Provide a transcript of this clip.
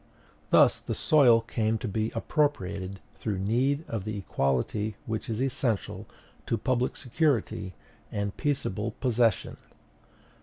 Thus the soil came to be appropriated through need of the equality which is essential to public security and peaceable possession.